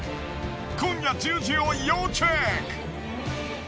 今夜１０時を要チェック！